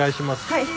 はい。